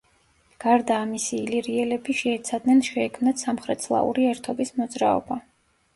გარდა ამისა ილირიელები შეეცადნენ შეექმნათ სამხრეთსლავური ერთობის მოძრაობა.